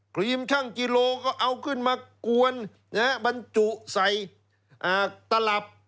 ครีมช่างกิโลก็เอาขึ้นมากวนบรรจุใส่ตลับ